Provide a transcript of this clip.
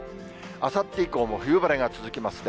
あさって以降も冬晴れが続きますね。